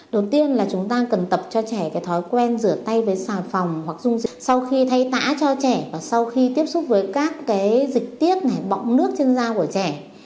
đầu tiên là chúng ta cần tập cho trẻ cái thói quen rửa tay với xà phòng hoặc sau khi thay tả cho trẻ và sau khi tiếp xúc với các cái dịch tiết bọng nước trên da của trẻ